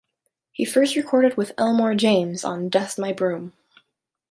He first recorded with Elmore James on "Dust My Broom".